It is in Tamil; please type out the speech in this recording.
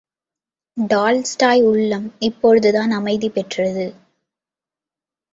டால்ஸ்டாய் உள்ளம் இப்போதுதான் அமைதி பெற்றது.